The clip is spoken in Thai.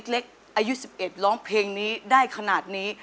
เล็กอายุ๑๑ร้องเพลงนี้ได้ขนาดนี้